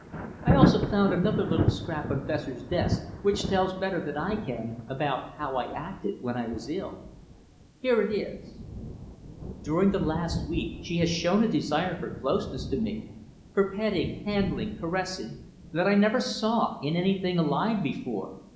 I also found another little scrap on Fessor's desk which tells better than I can about how I acted when I was ill. Here it is: "During the last week she has shown a desire for closeness to me, for petting, handling, caressing, that I never saw in anything alive before.